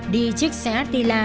đi chiếc xe h dila